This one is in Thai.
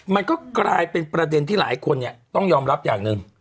มันก็กลายเป็นประเด็นที่หลายคนเนี่ยต้องยอมรับอย่างหนึ่ง